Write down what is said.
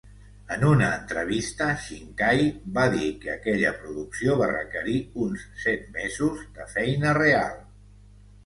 En una entrevista, Shinkai va dir que aquella producció va requerir uns set mesos de "feina real".